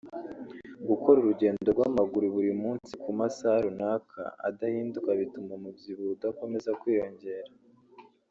gukora urugendo rw’amaguru buri munsi ku masaha runaka adahinduka bituma umubyibuho udakomeza kwiyongera